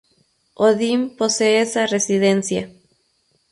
Odín posee esa residencia.